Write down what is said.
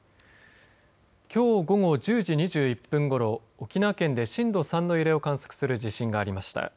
きょう午後１０時２１分ごろ沖縄県で震度３の揺れを観測する地震がありました。